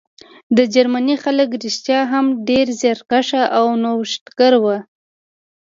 د جرمني خلک رښتیا هم ډېر زیارکښ او نوښتګر وو